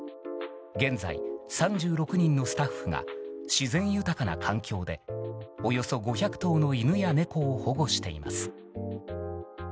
現在３６人のスタッフが自然豊かな環境でおよそ５００頭の犬や猫を保護しています。